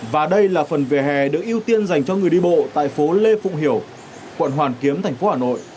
và đây là phần vỉa hè được ưu tiên dành cho người đi bộ tại phố lê phụng hiểu quận hoàn kiếm thành phố hà nội